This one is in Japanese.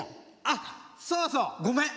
あっそうそうごめん。